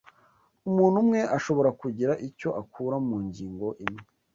Umuntu umwe ashobora kugira icyo akura mu ngingo imwe